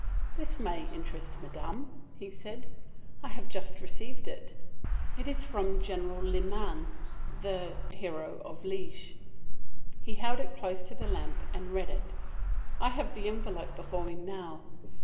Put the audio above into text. "This may interest Madame," he said. "I have just received it. It is from General Leman, the hero of Liège." He held it close to the lamp and read it. I have the envelope before me now.